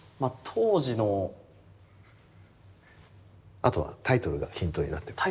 あとはタイトルがヒントになってます。